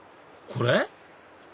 これ？